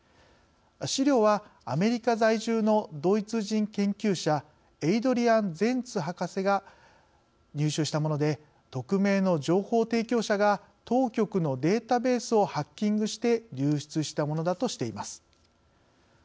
資料はアメリカ在住のドイツ人研究者エイドリアン・ゼンツ博士が入手したもので匿名の情報提供者が当局のデータベースをハッキングして流出したものだとしています。